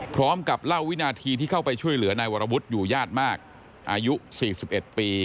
พร้อมกับเล่าวินาทีที่เข้าไปช่วยเหลือนายวรวุฒิอยู่ญาติมากอายุ๔๑ปี